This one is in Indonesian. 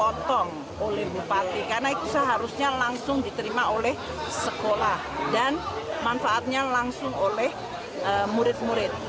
potong oleh bupati karena itu seharusnya langsung diterima oleh sekolah dan manfaatnya langsung oleh murid murid